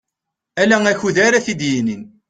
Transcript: Ala akud ara t-id-yinin.